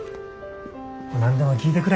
何でも聞いてくれ。